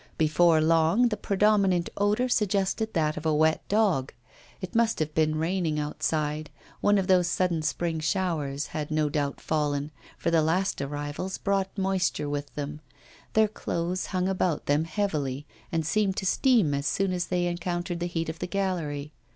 Before long the predominant odour suggested that of a wet dog. It must have been raining outside; one of those sudden spring showers had no doubt fallen, for the last arrivals brought moisture with them their clothes hung about them heavily and seemed to steam as soon as they encountered the heat of the gallery.